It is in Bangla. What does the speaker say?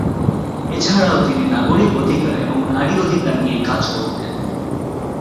এছাড়াও তিনি নাগরিক অধিকার এবং নারী অধিকার নিয়ে কাজ করতেন।